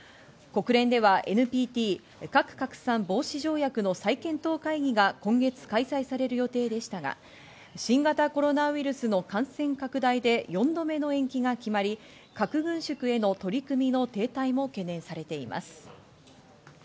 国連ではＮＰＴ＝核拡散防止条約の再検討会議が今月開催される予定でしたが、新型コロナウイルスの感染拡大で４度目の延期が決まり、核軍縮への取り組みの停滞も懸念されています。